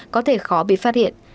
có thể khó bị phát hiện